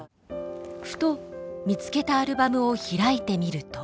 ふと見つけたアルバムを開いてみると。